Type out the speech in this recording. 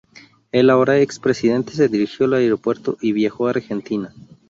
El ahora ex presidente se dirigió al aeropuerto y viajó a Argentina.